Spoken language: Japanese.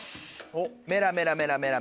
メラメラメラメラ。